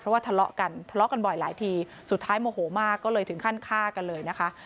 ว่าทะเลาะกันทะเลาะกันบ่อยหลายทีสุดท้ายโมโหมากก็เลยถึงขั้นฆ่ากันเลยนะคะ